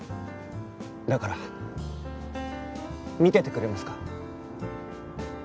だから見ててくれますか？